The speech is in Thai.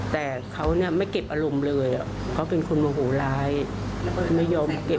แต่เขาเนี่ยไม่เก็บอารมณ์เลยเขาเป็นคนโงโหร้ร้าย